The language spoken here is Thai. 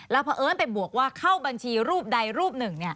แล้วพอเอิ้นไปบวกว่าเข้าบัญชีรูปใดรูปหนึ่ง